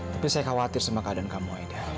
tapi saya khawatir sama keadaan kamu ada